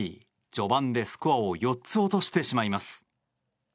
序盤でスコアを４つ落としてしまいます。